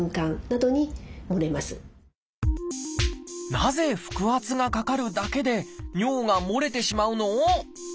なぜ腹圧がかかるだけで尿がもれてしまうの？